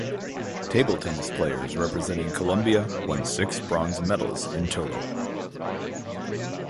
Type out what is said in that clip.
Table tennis players representing Colombia won six bronze medals in total.